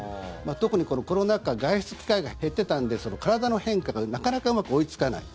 特にこのコロナ禍外出機会が減っていたので体の変化がなかなかうまく追いつかない。